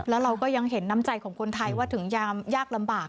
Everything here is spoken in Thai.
แล้วเราก็ยังเห็นน้ำใจของคนไทยว่าถึงยากลำบาก